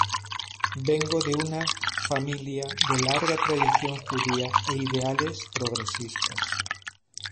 Vengo de una familia de larga tradición judía e ideales progresistas.